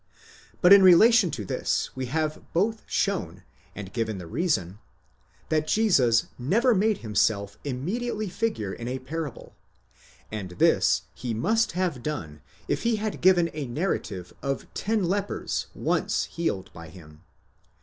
But in relation to this we have both shown, and given the reason, that Jesus never made himself immediately figure in a parable, and this he must have done if he had given a narrative of ten lepers once healed by him.